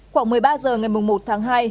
khoảng một mươi ba giờ ngày một tháng hai